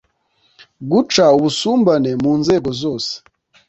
guca ubusumbane mu nzego zose